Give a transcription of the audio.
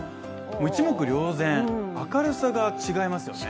一目瞭然、明るさが違いますよね。